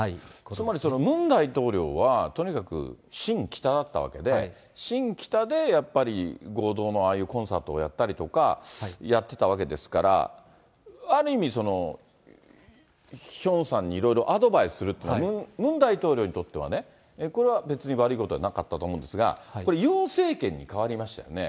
つまり、ムン大統領はとにかく親北だったわけで、親北でやっぱり合同のああいうコンサートをやったりとか、やってたわけですから、ある意味、ヒョンさんにいろいろアドバイスするっていうのは、ムン大統領にとってはね、これは別に悪いことではなかったと思うんですが、これ、ユン政権に代わりましたよね。